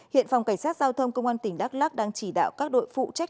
hiện phòng cảnh sát giao thông công an tỉnh đắk lắc đang chỉ đạo các đội phụ trách